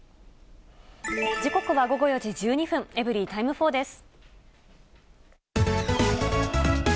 時刻は午後４時１２分、エブリィタイム４です。